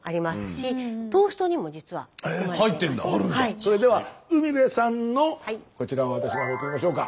それでは海辺さんのこちらは私がめくりましょうか。